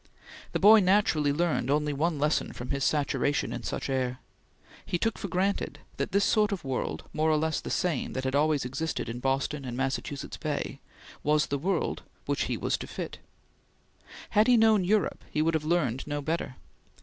The boy naturally learned only one lesson from his saturation in such air. He took for granted that this sort of world, more or less the same that had always existed in Boston and Massachusetts Bay, was the world which he was to fit. Had he known Europe he would have learned no better.